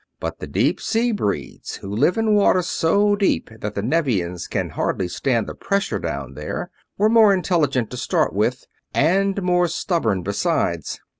But the deep sea breeds, who live in water so deep that the Nevians can hardly stand the pressure down there, were more intelligent to start with, and more stubborn besides.